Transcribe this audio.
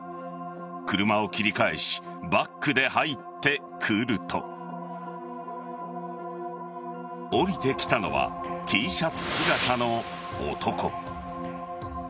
車を切り返えしバックで入ってくると降りてきたのはＴシャツ姿の男。